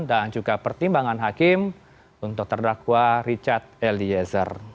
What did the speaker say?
dan juga pertimbangan hakim untuk terdakwa richard eliezer